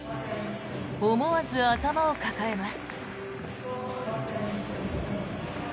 思わず頭を抱えます。